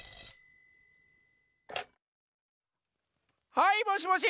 ☎はいもしもし？